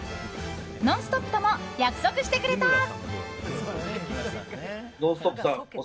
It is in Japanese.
「ノンストップ！」とも約束してくれた。